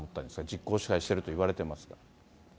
実効支配しているといわれてますが。